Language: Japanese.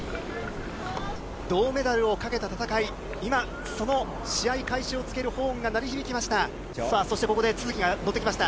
銅メダルをかけた戦い、今、その試合開始を告げるホーンが鳴り響きました。